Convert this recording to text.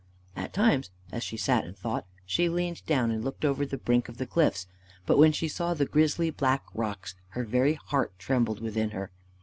At times as she sat and thought, she leaned down and looked over the brink of the cliffs. But, when she saw the grisly, black rocks, her very heart trembled within her.